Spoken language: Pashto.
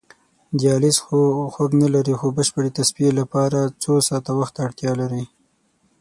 دیالیز خوږ نه لري خو بشپړې تصفیې لپاره څو ساعته وخت ته اړتیا لري.